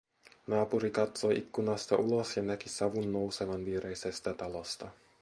Naapuri katsoi ikkunasta ulos ja näki savun nousevan viereisestä talosta